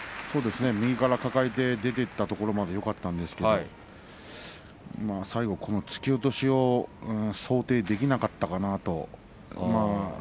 右から抱えて出ていったところまではよかったんですけれど最後突き落としを想定できなかったのかなと。